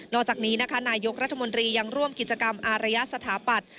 อกจากนี้นะคะนายกรัฐมนตรียังร่วมกิจกรรมอารยสถาปัตย